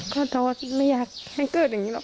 โทษไม่อยากให้เกิดอย่างนี้หรอก